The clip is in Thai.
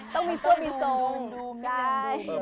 ต้องมีเสื้อมีโซง